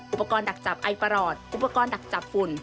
อุปกรณ์ดักจับไอประหลอดอุปกรณ์ดักจับฝุ่น